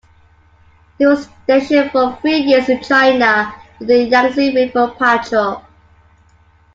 He was stationed for three years in China with the Yangtze River Patrol.